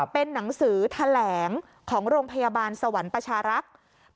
เป็นหนังสือแถลงของโรงพยาบาลสวรรค์ประชารักษ์